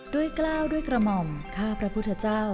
กล้าวด้วยกระหม่อมข้าพระพุทธเจ้า